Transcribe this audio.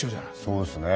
そうですね。